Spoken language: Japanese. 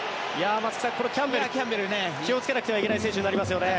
松木さん、このキャンベル気をつけなくてはいけない選手になりますよね。